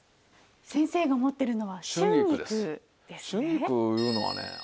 先生が持ってるのは春菊ですね。